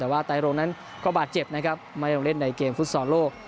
แต่ว่าไตรรงนั้นก็บาดเจ็บนะครับไม่ลงเล่นในเกมฟุตซอลโลก